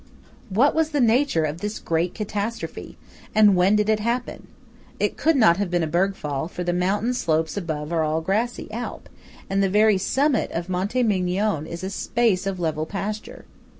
What was the nature of this great catastrophe, and when did it happen? It could not have been a bergfall; for the mountain slopes above are all grassy Alp, and the very summit of Monte Migion is a space of level pasture.